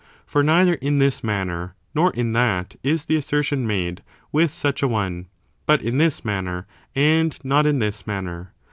For neither in this manner nor in that is the assertion made with such a one, but in this manner and not in this manner.